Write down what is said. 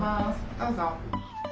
どうぞ。